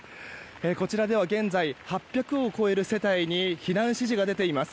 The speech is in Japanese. こちらでは現在８００を超える世帯に避難指示が出ています。